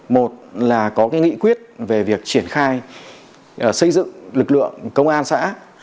một là có cái nghị quyết về việc triển khai xây dựng lực lượng công an xã